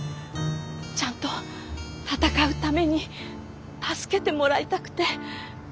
ちゃんと闘うために助けてもらいたくて。